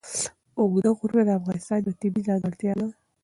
اوږده غرونه د افغانستان یوه طبیعي ځانګړتیا ده.